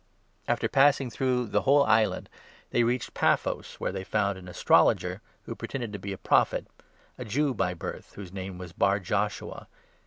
After passing through the whole island, they reached Paphos, 6 where they found an astrologer who pretended to be a Prophet — a Jew by birth, whose name was Barjoshua.